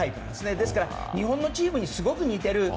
ですから、日本のチームにすごく似ている。